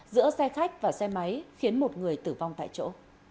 giữa xe khách và xe máy khiến một người tử vong tại chỗ